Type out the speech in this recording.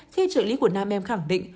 khi trợ lý của nam em khẳng định